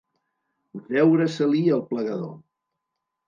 Veure-se-li el plegador.